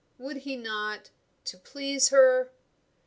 Would he not? to please her?